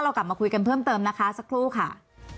กลับมาคุยกันเพิ่มเติมนะคะสักครู่ค่ะ